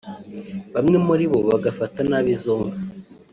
bamwe muri bo bagafata nabi izo nka